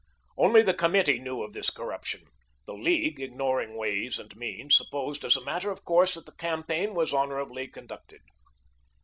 Only the committee knew of this corruption. The League, ignoring ways and means, supposed as a matter of course that the campaign was honorably conducted.